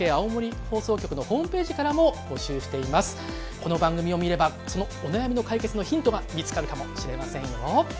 この番組を見ればそのお悩みの解決のヒントが見つかるかもしれませんよ。